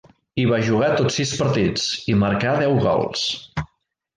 Hi va jugar tots sis partits, i marcà deu gols.